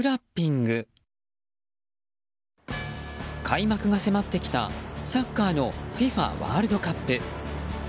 開幕が迫ってきたサッカーのＦＩＦＡワールドカップ。